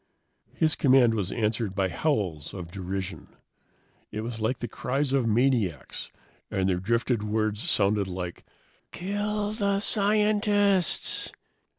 His command was answered by howls of derision. It was like the cries of maniacs, and their drifted words sounded like, "Kill the scientists!"